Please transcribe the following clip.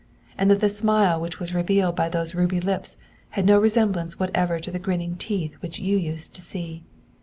And that the smile which was revealed by those ruby lips had no resemblance whatever to the grinning teeth which you used to see?